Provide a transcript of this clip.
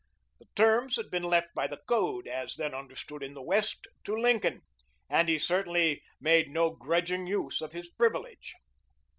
The terms had been left by the code, as then understood in the West, to Lincoln, and he certainly made no grudging use of his privilege.